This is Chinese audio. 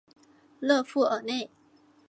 勒富尔内。